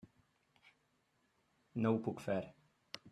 No ho puc fer.